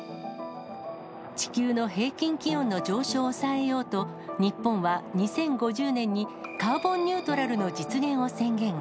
地球の平均気温の上昇を抑えようと、日本は２０５０年にカーボンニュートラルの実現を宣言。